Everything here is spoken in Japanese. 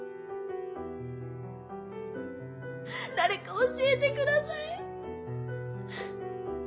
誰か教えてください。